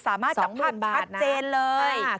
สามารถจับภาพพัดเจนเลยนะ๒๐๐๐๐บาท